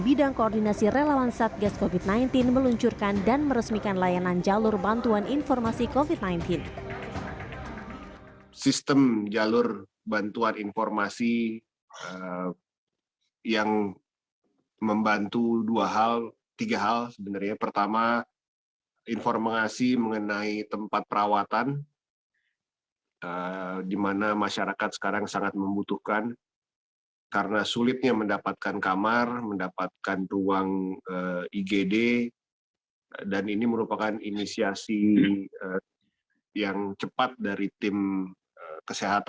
bidang koordinasi relawan bkr saat kes covid sembilan belas resmi meluncurkan layanan jalur bantuan informasi covid sembilan belas bagi tenaga kesehatan dan masyarakat umum di dki jakarta dan juga kota bandung